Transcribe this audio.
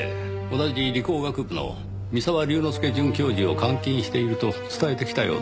同じ理工学部の三沢龍之介准教授を監禁していると伝えてきたようです。